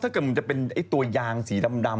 ถ้าเกิดมันจะเป็นตัวยางสีดำ